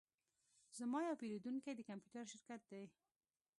زما یو پیرودونکی د کمپیوټر شرکت دی